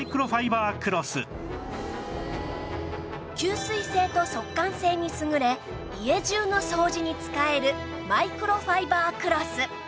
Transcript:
吸水性と速乾性に優れ家じゅうの掃除に使えるマイクロファイバークロス